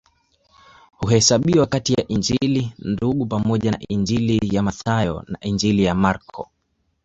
Huhesabiwa kati ya Injili Ndugu pamoja na Injili ya Mathayo na Injili ya Marko.